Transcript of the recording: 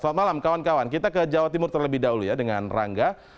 selamat malam kawan kawan kita ke jawa timur terlebih dahulu ya dengan rangga